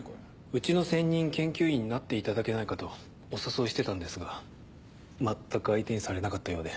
うちの専任研究員になっていただけないかとお誘いしてたんですが全く相手にされなかったようで。